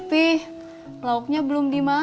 tidak ada energia